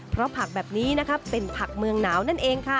เพราะผักแบบนี้นะคะเป็นผักเมืองหนาวนั่นเองค่ะ